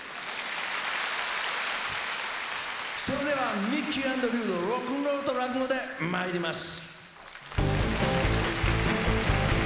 それではミッキ−アンド竜童ロックンロ−ルと落語でまいります。